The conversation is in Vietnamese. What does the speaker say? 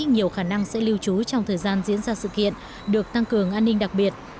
nhiều khả năng sẽ lưu trú trong thời gian diễn ra sự kiện được tăng cường an ninh đặc biệt